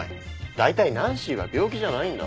だいたいナンシーは病気じゃないんだ。